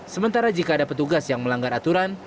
sementara jika ada petugas yang melanggar aturan